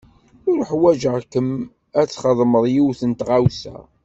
Uḥwaǧeɣ-kem ad txedmeḍ yiwet n tɣawsa.